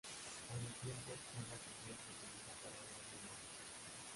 Con el tiempo observa que Dios lo utiliza para obrar milagros.